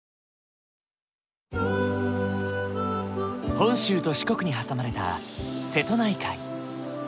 本州と四国に挟まれた瀬戸内海。